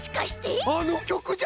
あのきょくじゃな？